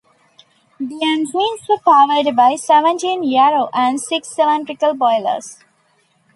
The engines were powered by seventeen Yarrow and six cylindrical boilers.